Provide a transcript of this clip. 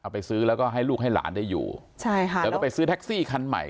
ไปซื้อแล้วก็ให้ลูกให้หลานได้อยู่ใช่ค่ะแล้วก็ไปซื้อแท็กซี่คันใหม่